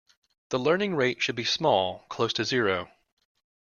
The learning rate should be small, close to zero.